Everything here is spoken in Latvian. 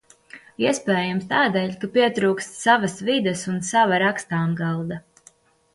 Iespējams, tādēļ, ka pietrūkst savas vides un sava rakstāmgalda.